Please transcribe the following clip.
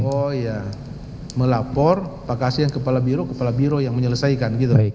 oh ya melapor pak kasihan kepala biro kepala biro yang menyelesaikan gitu